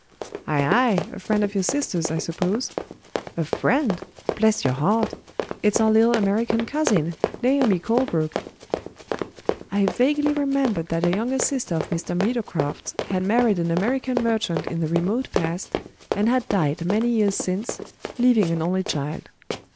"Ay, ay! A friend of your sister's, I suppose?" "A friend? Bless your heart! it's our little American cousin, Naomi Colebrook." I vaguely remembered that a younger sister of Mr. Meadowcroft's had married an American merchant in the remote past, and had died many years since, leaving an only child.